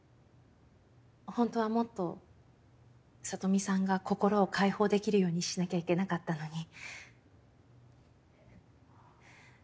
ホントはもっとサトミさんが心を解放できるようにしなきゃいけなかったのに。